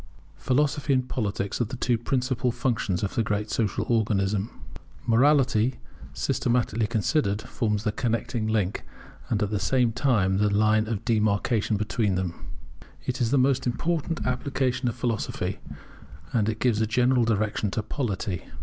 Philosophy and Politics are the two principal functions of the great social organism. Morality, systematically considered, forms the connecting link and at the same time the line of demarcation between them. It is the most important application of philosophy, and it gives a general direction to polity.